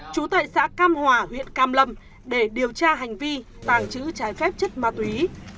trú tại xã cam hòa huyện cam lâm để điều tra hành vi tàng trữ trái phép chất ma túy